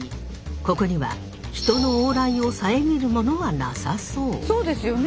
ここには人の往来を遮るものはなさそう。